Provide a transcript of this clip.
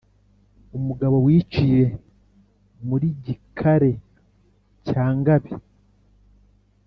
umugabo wiciye muri gikare cya ngabe